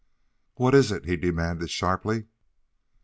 "What is it?" he demanded sharply.